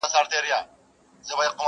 دا د افغان د لوی ټبر مېنه ده؛